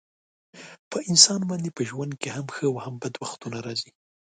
په انسان باندې په ژوند کې هم ښه او هم بد وختونه راځي.